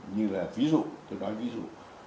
như là ví dụ tôi nói ví dụ